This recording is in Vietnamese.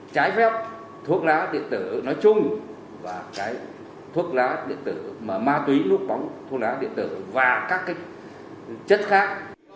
trái phép thuốc lá điện tử nói chung và cái thuốc lá điện tử mà ma túy núp bóng thuốc lá điện tử và các chất khác